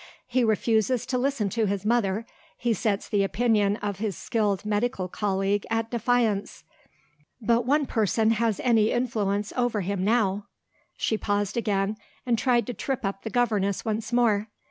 He refuses to listen to his mother, he sets the opinion of his skilled medical colleague at defiance. But one person has any influence over him now." She paused again, and tried to trip up the governess once more.